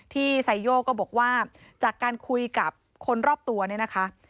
ไซโยก็บอกว่าจากการคุยกับคนรอบตัวเนี่ยนะคะ